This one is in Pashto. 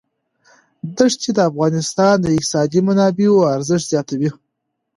دښتې د افغانستان د اقتصادي منابعو ارزښت زیاتوي.